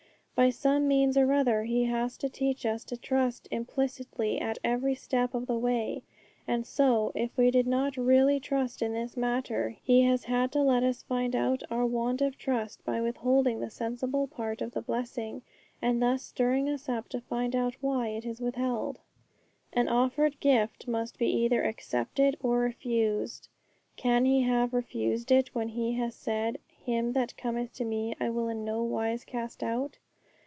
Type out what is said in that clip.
By some means or other He has to teach us to trust implicitly at every step of the way. And so, if we did not really trust in this matter, He has had to let us find out our want of trust by withholding the sensible part of the blessing, and thus stirring us up to find out why it is withheld. An offered gift must be either accepted or refused. Can He have refused it when He has said, 'Him that cometh to Me I will in no wise cast out'?